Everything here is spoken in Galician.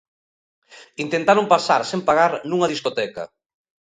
Intentaron pasar sen pagar nunha discoteca.